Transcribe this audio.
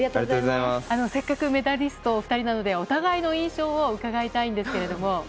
せっかくメダリストお二人なのでお互いの印象を伺いたいんですけれども。